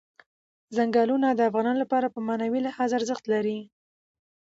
ځنګلونه د افغانانو لپاره په معنوي لحاظ ارزښت لري.